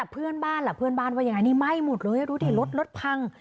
เพื่อนบ้านล่ะเพื่อนบ้านว่ายังไงนี่ไหม้หมดเลยดูดิรถรถพัง